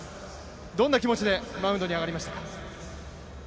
どんな気持でマウンドに上がりましたか。